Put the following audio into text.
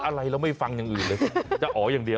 อะไรเราไม่ฟังอย่างอื่นเลยจะอ๋ออย่างเดียว